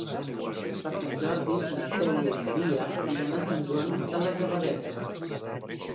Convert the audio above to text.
Per Sant Jordi na Cèlia i na Lia iran a Sant Joan de les Abadesses.